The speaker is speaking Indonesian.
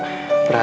saya sudah berhasil